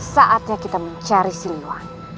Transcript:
saatnya kita mencari siliwan